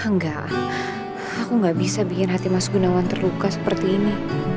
enggak aku gak bisa bikin hati mas gunawan terluka seperti ini